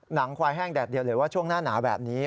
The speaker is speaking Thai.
หนังควายแห้งแดดเดียวเลยว่าช่วงหน้าหนาวแบบนี้